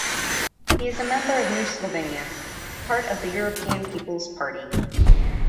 He is a member of New Slovenia, part of the European People's Party.